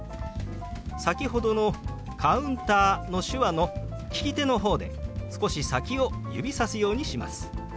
先ほどの「カウンター」の手話の利き手の方で少し先を指さすようにします。